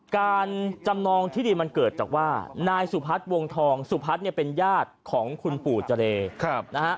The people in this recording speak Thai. การจำนองที่ดินมันเกิดจากว่านายสุพัฒน์วงทองสุพัฒน์เนี่ยเป็นญาติของคุณปู่เจรนะฮะ